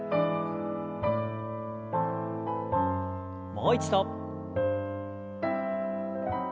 もう一度。